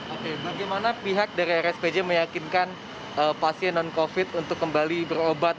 oke bagaimana pihak dari rspj meyakinkan pasien non covid untuk kembali berobat